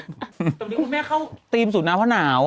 ตรงนี้คุณแม่เข้าเตรียมสูตรนาวเพราะหนาว